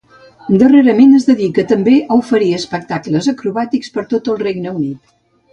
Darrerament es dedica també a oferir espectacles acrobàtics per tot el Regne Unit.